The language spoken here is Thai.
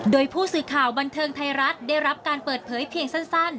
โดยผู้สื่อข่าวบันเทิงไทยรัฐได้รับการเปิดเผยเพียงสั้น